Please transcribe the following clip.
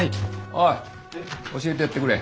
おい教えてやってくれ。